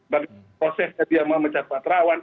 bagi prosesnya dia memecah pak terawan